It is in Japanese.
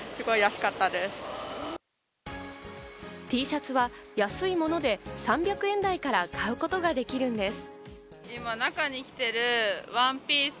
Ｔシャツは安いもので、３００円台から買うことができるんです。